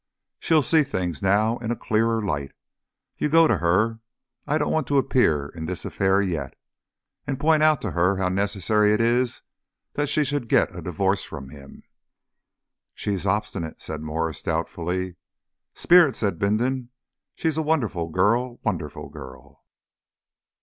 She'll see things now in a clearer light. You go to her I don't want to appear in this affair yet and point out to her how necessary it is that she should get a divorce from him...." "She's obstinate," said Mwres doubtfully. "Spirit!" said Bindon. "She's a wonderful girl a wonderful girl!"